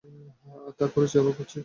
হ্যাঁ তা করছি এবং অবাক হচ্ছি।